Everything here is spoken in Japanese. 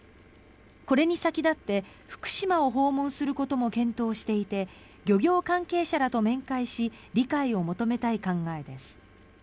これに先立って福島を訪問することも検討していて漁業関係者らと面会し理解を求めたい考えです。